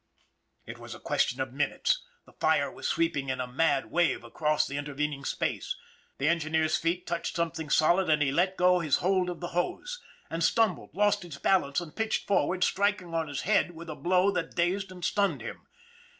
It was a question of minutes. The fire was sweep ing in a mad wave across the intervening space. The engineer's feet touched something solid and he let go his hold of the hose and stumbled, lost his balance, and pitched forward striking on his head with a blow that dazed and stunned him.